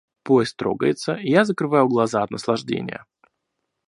Поезд трогается, и я закрываю глаза от наслаждения.